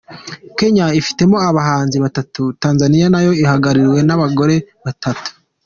Kenya ifitemo abahanzi batatu, Tanzania nayo ihagarariwe n’abagore batatu.